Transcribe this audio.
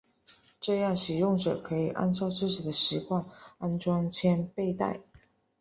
这样使用者可以按照自己的习惯安装枪背带。